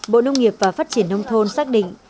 bộ nông nghiệp và phát triển nông thôn xác định